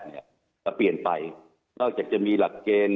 แต่เปลี่ยนไปนอกจากจะมีหลักเกณฑ์